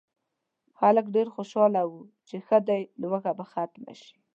خلک ډېر خوشاله وو چې ښه دی لوږه به ختمه شي.